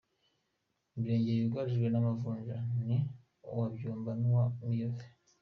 Imirenge yugarijwe n’amavunja ni uwa Byumba n’uwa Miyove.